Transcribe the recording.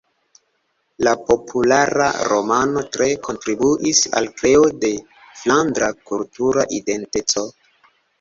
La populara romano tre kontribuis al kreo de flandra kultura identeco.